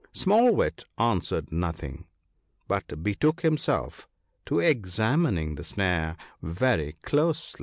* Small wit answered nothing, but betook himself to examining the snare very closely.